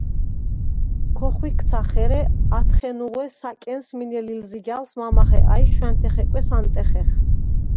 ქოხვიქცახ, ერე ათხეუნღვე სა̈კენ მინე ლილზიგა̈ლს მამა ხაყა ი შვა̈ნთე ხეკვეს ანტეხეხ.